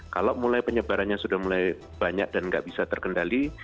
kalau mulai penyebarannya sudah mulai banyak dan nggak bisa terkendali